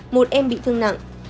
một em bị thương nặng